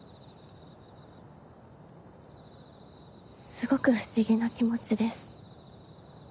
すごく不思議な気持ちです。